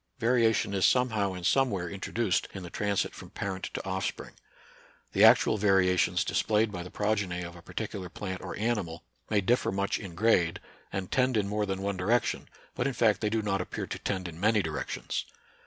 Variation is somehow and somewhere introduced in the transit from parent to offspring. The actual variations displayed by the progeny of a particular plant or animal may differ much in grade, and tend in more than one direction, but in fact they do not ap pear to tend in many directions.